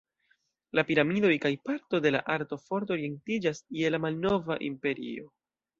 La piramidoj kaj parto de la arto forte orientiĝas je la Malnova Imperio.